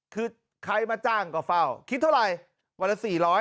คือใครมาจ้างก็เฝ้าคิดเท่าไหร่วันละ๔๐๐